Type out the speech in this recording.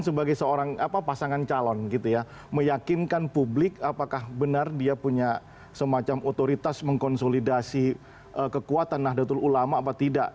tapi bagi saya saya juga akan sebagai pasangan calon meyakinkan publik apakah benar dia punya semacam otoritas mengkonsolidasi kekuatan nahdlatul ulama atau tidak